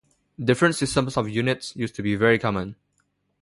Different systems of units used to be very common.